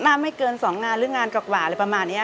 มาไม่เกินสองงานหรืองานกรอกหวาหรือประมาณนี้